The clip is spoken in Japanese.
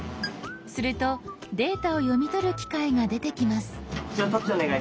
するとデータを読み取る機械が出てきます。